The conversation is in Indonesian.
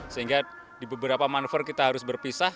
sehingga di beberapa manuver kita harus berpisah